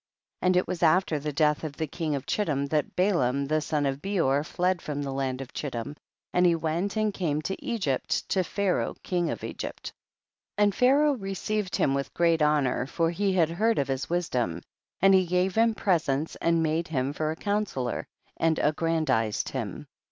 8. And it was after the death of 210 THE BOOK OF JASHER. the king of Chiitim that Balaam the son of Beor fled from the land of Chittim, and he went and came to Egypt to Pharaoh king of Egypt. 9. And Pharaoh received him with great honor, for he had heard of his wisdom, and he gave him presents and made him for a counsellor, and affffrandized him.